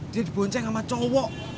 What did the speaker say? dia dibonceng sama cowok